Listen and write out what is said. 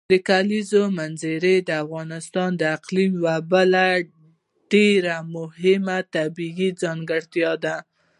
د کلیزو منظره د افغانستان د اقلیم یوه بله ډېره مهمه طبیعي ځانګړتیا ده.